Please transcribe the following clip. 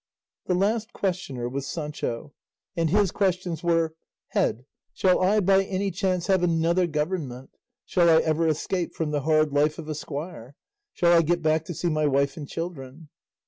The last questioner was Sancho, and his questions were, "Head, shall I by any chance have another government? Shall I ever escape from the hard life of a squire? Shall I get back to see my wife and children?"